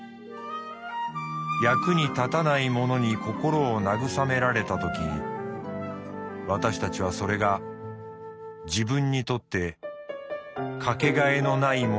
役に立たないものに心を慰められたとき私たちはそれが自分にとってかけがえのないものだと知るのだから」。